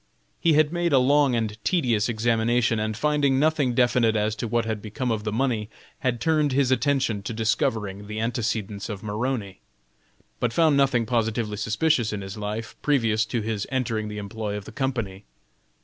He had made a long and tedious examination and finding nothing definite as to what had become of the money, had turned his attention to discovering the antecedents of Maroney, but found nothing positively suspicious in his life previous to his entering the employ of the company.